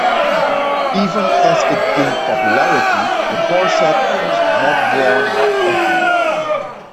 Even as it gained popularity, the corset was not worn by everyone.